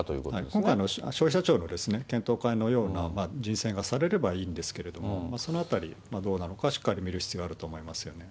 今回の消費者庁の検討会のような人選がされればいいんですけれども、そのあたり、どうなのか、しっかり見る必要があると思いますよね。